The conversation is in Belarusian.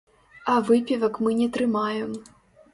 А выпівак мы не трымаем.